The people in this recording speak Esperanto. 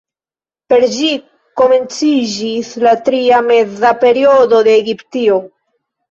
Per ĝi komenciĝis la Tria Meza Periodo de Egiptio.